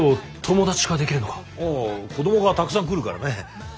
おう子どもがたくさん来るからね。